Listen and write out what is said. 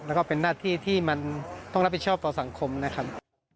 แล้วก็เป็นหน้าที่ที่มันต้องรับผิดชอบต่อสังคมนะครับ